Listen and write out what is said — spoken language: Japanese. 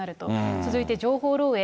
続いて情報漏えい。